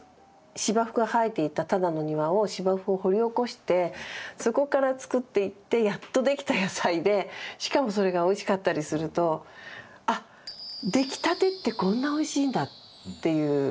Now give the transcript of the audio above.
芝生が生えていたただの庭を芝生を掘り起こしてそこから作っていってやっとできた野菜でしかもそれがおいしかったりすると味わえたっていうかな